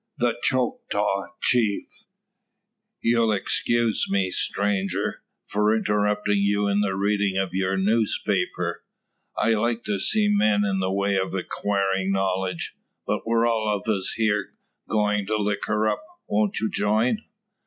THE "CHOCTAW CHIEF." "You'll excuse me, stranger, for interruptin' you in the readin' o' your newspaper. I like to see men in the way o' acquirin' knowledge. But we're all of us here goin' to licker up. Won't you join?"